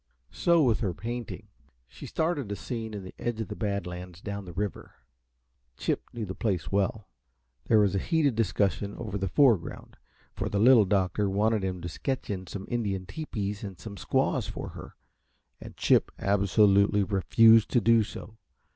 So with her painting. She started a scene in the edge of the Bad Lands down the river. Chip knew the place well. There was a heated discussion over the foreground, for the Little Doctor wanted him to sketch in some Indian tepees and some squaws for her, and Chip absolutely refused to do so.